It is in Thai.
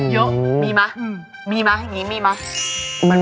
เยอะมีมั้ยมีมั้ยอย่างนี้มีมั้ย